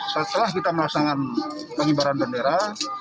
setelah kita melaksanakan pengibaran bendera